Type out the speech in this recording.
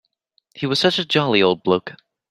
He was such a jolly old bloke.